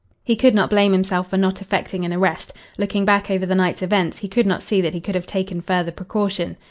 He could not blame himself for not effecting an arrest. Looking back over the night's events, he could not see that he could have taken further precaution.